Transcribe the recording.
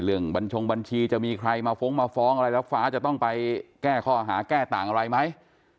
บัญชงบัญชีจะมีใครมาฟ้องมาฟ้องอะไรแล้วฟ้าจะต้องไปแก้ข้อหาแก้ต่างอะไรไหม